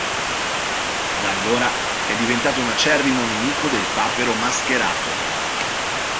Da allora è diventato un acerrimo nemico del papero mascherato.